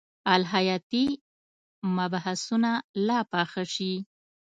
الهیاتي مبحثونه لا پاخه شي.